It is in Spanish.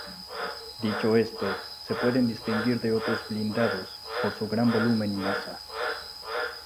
Dicho esto, se pueden distinguir de otros blindados por su gran volumen y masa.